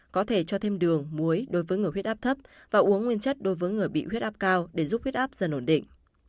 có thể cho thêm đường muối đối với người huyết áp thấp và uống nguyên chất đối với người bị huyết áp cao để giúp huyết áp dần ổn định